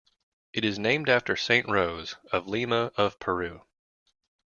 It is named after Saint Rose of Lima of Peru.